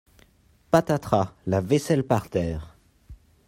Patatras ! La vaisselle par terre !